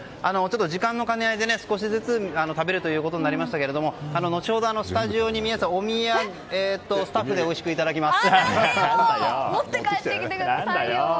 時間の兼ね合いで少しずつ食べることになりましたが後ほど、スタジオにではなくスタッフでおいしくいただきます。